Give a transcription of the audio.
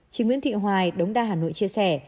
chị nguyễn thị hoài đống đa hà nội chia sẻ